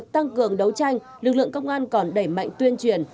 tăng cường đấu tranh lực lượng công an còn đẩy mạnh tuyên truyền